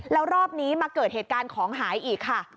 แล้วรอบนี้มาเกิดเหตุการณ์ของหายอีกค่ะ